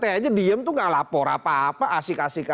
beliau santai aja diem itu enggak lapor apa apa asik asik aja